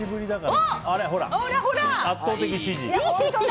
ほら、圧倒的支持。